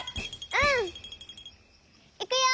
うん！いくよ！